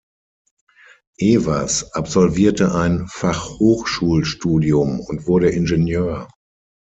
Evers absolvierte ein Fachhochschulstudium und wurde Ingenieur.